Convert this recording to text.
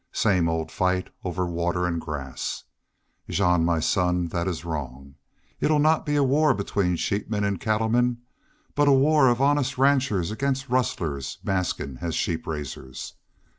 Same old fight over water an' grass! ... Jean, my son, that is wrong. It 'll not be a war between sheepmen an' cattlemen. But a war of honest ranchers against rustlers maskin' as sheep raisers!